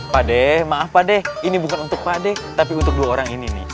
pak deh maaf pak deh ini bukan untuk pak ade tapi untuk dua orang ini nih